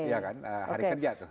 iya kan hari kerja tuh